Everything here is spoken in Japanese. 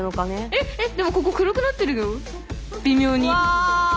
えっえっでもここ黒くなってるよ微妙に。